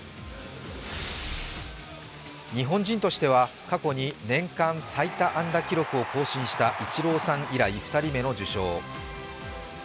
日本人としては、過去に年間最多安打記録を更新したイチローさん以来２人目の受賞。